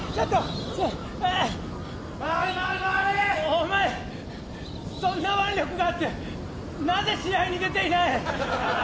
お前、そんな腕力があってなぜ試合に出ていない？